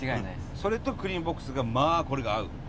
それとクリームボックスがまあこれが合う！